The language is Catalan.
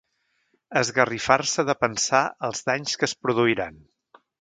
Esgarrifar-se de pensar els danys que es produiran.